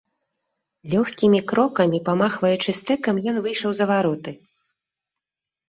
Лёгкімі крокамі, памахваючы стэкам, ён выйшаў за вароты.